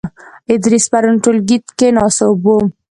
ادریس پرون ټولګې کې ناسوب وو .